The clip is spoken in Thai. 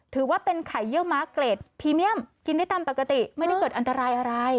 ถือว่าเป็นไข่เยื่อม้าเกรดพรีเมียมกินได้ตามปกติไม่ได้เกิดอันตรายอะไร